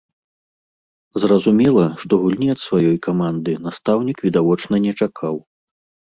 Зразумела, што гульні ад сваёй каманды настаўнік відавочна не чакаў.